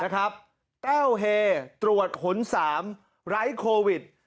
ก้าวเฮตรวจหุ่นสามไร้โควิด